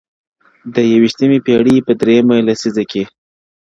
د یوویشتمي پېړۍ په درېیمه لسیزه کي -